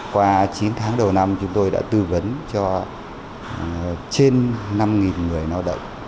qua chín tháng đầu năm chúng tôi đã tư vấn cho trên năm người lao động